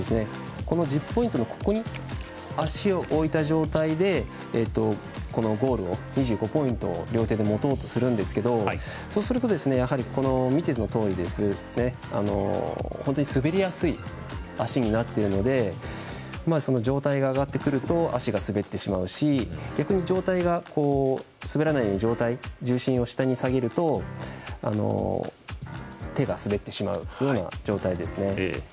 この１０ポイントのここに足を置いた状態でゴール、２５ポイントを両手で持とうとするんですがそうすると見てのとおり、本当に滑りやすい足になっているので上体が上がってくると足が滑ってしまうし逆に上体が滑らないように重心を下に下げると手が滑ってしまうような状態です。